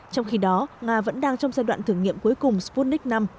trong khi đó nga vẫn đang trong giai đoạn thử nghiệm cuối cùng sputnik v